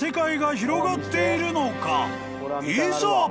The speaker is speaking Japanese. ［いざ］